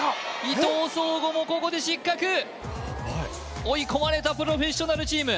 伊藤壮吾もここで失格やばい追い込まれたプロフェッショナルチーム